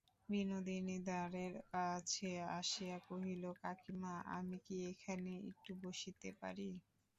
বিনোদিনী দ্বারের কাছে আসিয়া কহিল, কাকীমা, আমি কি এখানে একটু বসিতে পারি।